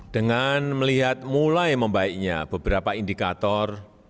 dengan melihat mulai membaiknya beberapa indikator